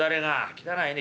汚いね。